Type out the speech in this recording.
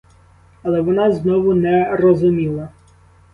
Але вона знову не розуміла.